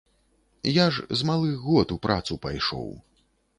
Я ж з малых год у працу пайшоў.